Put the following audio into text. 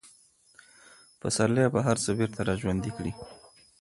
پسرلی به هر څه بېرته راژوندي کړي.